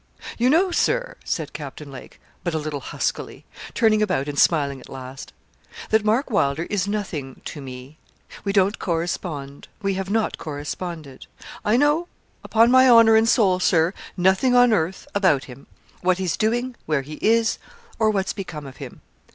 'You know, Sir,' said Captain Lake, but a little huskily, turning about and smiling at last, 'that Mark Wylder is nothing to me. We don't correspond: we have not corresponded. I know upon my honour and soul, Sir nothing on earth about him what he's doing, where he is, or what's become of him.